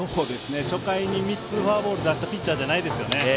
初回に３つフォアボールを出したピッチャーじゃないですよね。